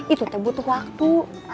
itu tak butuh waktu